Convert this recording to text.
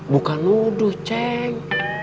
bukan nuduh cek